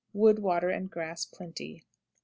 Wood, water, and grass plenty. 22.